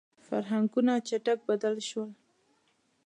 • فرهنګونه چټک بدل شول.